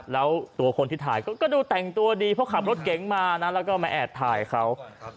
แล้วตัวคนที่ถ่ายก็ดูแต่งตัวดีเพราะขับรถเก๋งมานะแล้วก็มาแอบถ่ายเขา